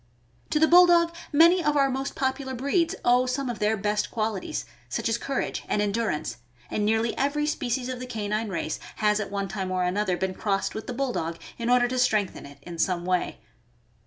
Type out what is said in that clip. To the Bulldog many of our most popular breeds owe some of their best qualities, such as courage and endurance, and nearly every species of the canine race has at one time or another been crossed with the Bulldog in order to strengthen it in some way.